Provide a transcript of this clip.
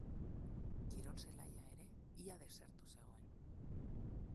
Kirol zelaia ere ia desertu zegoen.